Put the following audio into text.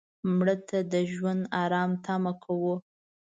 مړه ته د ژوند آرام تمه کوو